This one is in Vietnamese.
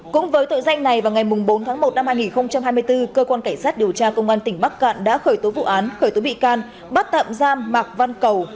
cũng với tội danh này vào ngày bốn tháng một năm hai nghìn hai mươi bốn cơ quan cảnh sát điều tra công an tỉnh bắc cạn đã khởi tố vụ án khởi tố bị can bắt tạm giam mạc văn cầu